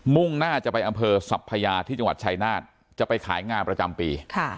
่งหน้าจะไปอำเภอสัพพยาที่จังหวัดชายนาฏจะไปขายงานประจำปี